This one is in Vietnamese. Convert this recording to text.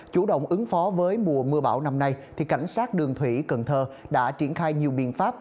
chủ động ứng phó với mùa mưa bão năm nay cảnh sát đường thủy cần thơ đã triển khai nhiều biện pháp